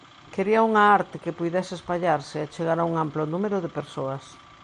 "Quería unha arte que puidese espallarse e chegar a un amplo número de persoas".